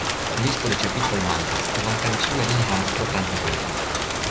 Listo de ĉapitroj mankas, kvankam ĉiu el ili havas propran titolon.